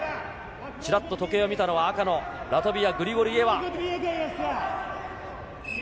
ちらっと時計を見たのは、赤のラトビア、グリゴルイエワ。